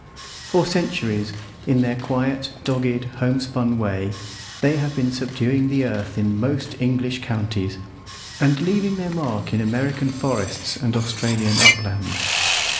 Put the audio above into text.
For centuries, in their quiet, dogged, homespun way, they have been subduing the earth in most English counties, and leaving their mark in American forests and Australian uplands.